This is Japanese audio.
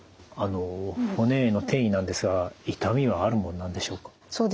骨への転移なんですが痛みはあるものなんでしょうか？